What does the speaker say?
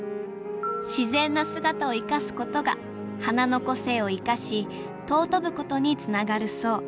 自然な姿をいかすことが花の個性をいかし尊ぶことにつながるそう。